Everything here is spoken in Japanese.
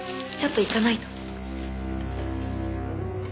ちょっと行かないと。